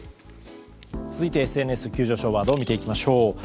続いてＳＮＳ急上昇ワード見ていきましょう。